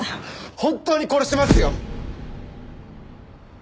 本当に殺しますよ？早く。